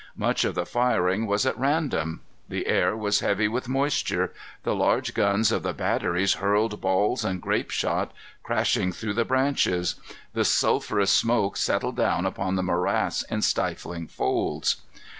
Much of the firing was at random. The air was heavy with moisture. The large guns of the batteries hurled balls and grape shot, crashing through the branches. The sulphurous smoke settled down upon the morass in stifling folds.